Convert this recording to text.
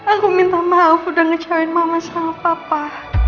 aku minta maaf udah ngecewain mama sama papa